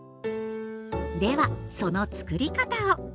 ではそのつくり方を。